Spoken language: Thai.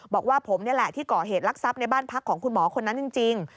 บอกว่าผมนี่แหละที่ก่อเหตุลักษัพในบ้านพักของคุณหมอคนนั้นจริง